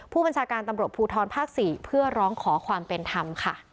ผู้บัญชาการตำรวจภูทรภาค๔เพื่อร้องขอความเป็นธรรมค่ะ